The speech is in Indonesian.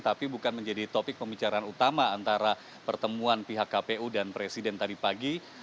tapi bukan menjadi topik pembicaraan utama antara pertemuan pihak kpu dan presiden tadi pagi